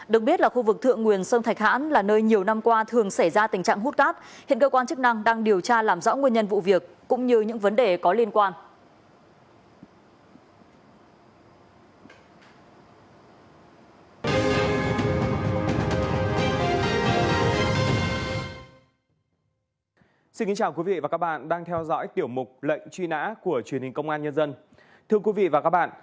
được biết là khu vực thượng nguyền sông thạch hãn là nơi nhiều năm qua thường xảy ra tình trạng hút cát hiện cơ quan chức năng đang điều tra làm rõ nguyên nhân vụ việc cũng như những vấn đề có liên quan